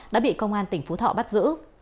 đã bị công an tỉnh phú thọ bắt giữ